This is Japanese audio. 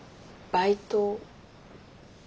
バイト？